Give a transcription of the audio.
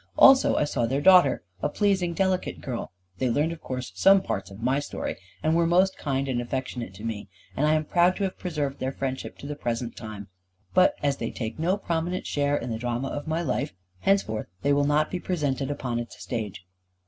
Also I saw their daughter, a pleasing delicate girl; they learned of course some parts of my story, and were most kind and affectionate to me; and I am proud to have preserved their friendship to the present time. But as they take no prominent share in the drama of my life, henceforth they will not be presented upon its stage.